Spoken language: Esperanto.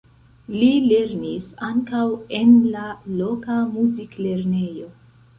Li lernis ankaŭ en la loka muziklernejo.